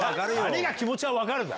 何が気持ちは分かるだ